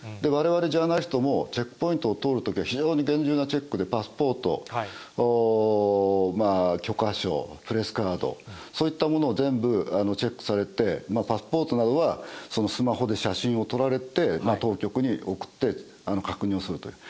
われわれジャーナリストも、チェックポイントを通るときは、非常に厳重なチェックで、パスポート、許可証、プレスカード、そういったものを全部チェックされて、パスポートなどはスマホで写真を撮られて、当局に送って、確認をすると。